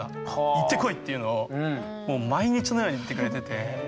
いってこい！」っていうのをもう毎日のように言ってくれてて。